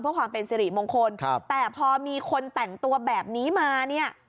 เพื่อความเป็นสิริมงคลครับแต่พอมีคนแต่งตัวแบบนี้มาเนี่ย